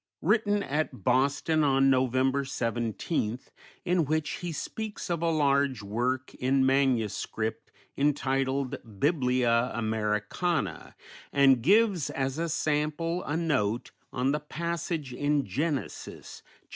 written at Boston on November 17th, in which he speaks of a large work in manuscript entitled Biblia Americana, and gives as a sample a note on the passage in Genesis (VI.